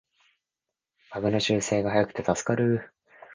バグの修正が早くて助かる